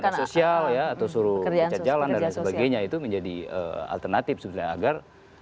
sosial ya atau suruh baca jalan dan sebagainya itu menjadi alternatif sebenarnya agar